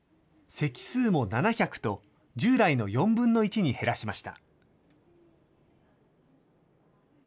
席数も７００と、従来の４分の１に減らしました。